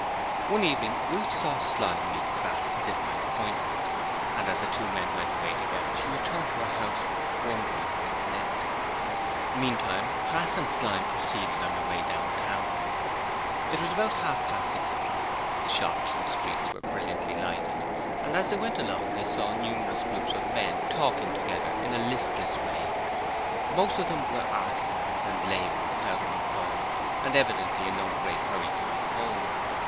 One evening, Ruth saw Slyme meet Crass as if by appointment and as the two men went away together she returned to her housework wondering what it meant. Meantime, Crass and Slyme proceeded on their way down town. It was about half past six o'clock: the shops and streets were brilliantly lighted, and as they went along they saw numerous groups of men talking together in a listless way. Most of them were artisans and labourers out of employment and evidently in no great hurry to go home.